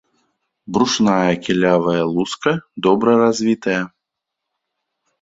Брушная кілявая луска добра развітая.